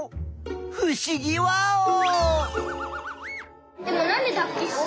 ふしぎワオー！